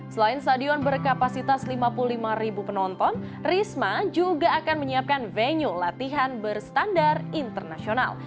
selain stadion berkapasitas lima puluh lima ribu penonton risma juga akan menyiapkan venue latihan berstandar internasional